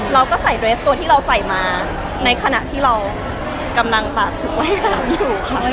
เราก็ใส่เรสตัวที่เราใส่มาในขณะที่เรากำลังปากชุดว่ายน้ำอยู่ค่ะ